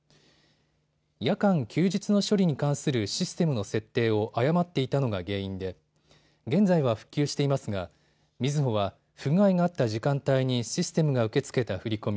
夜間・休日の処理に関するシステムの設定を誤っていたのが原因で現在は復旧していますがみずほは不具合があった時間帯にシステムが受け付けた振り込み